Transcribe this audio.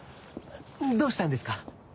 どうしたんですか？